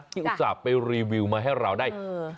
อุตส่าห์ไปรีวิวมาให้เราได้